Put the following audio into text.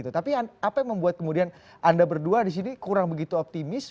tapi apa yang membuat kemudian anda berdua disini kurang begitu optimis